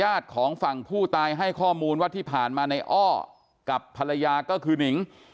ของฝั่งผู้ตายให้ข้อมูลว่าที่ผ่านมาในอ้อกับภรรยาก็คือนิง